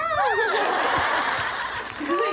すごい。